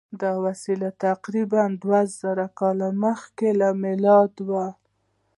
دا وسیله تقریبآ دوه زره کاله مخکې له میلاده وه.